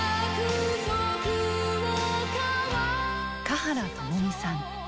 華原朋美さん。